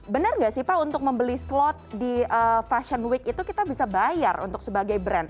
benar nggak sih pak untuk membeli slot di fashion week itu kita bisa bayar untuk sebagai brand